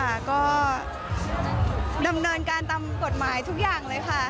ก็ดำเนินการตามกฎหมายทุกอย่างเลยค่ะ